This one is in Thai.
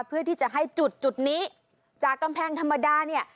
เพื่อที่จะให้จุดจุดนี้จากกำแพงธรรมดาเนี่ย